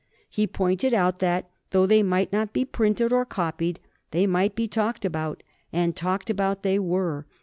He pointed out that, though they might not be printed or copied, they might be talked about. And talked about they were.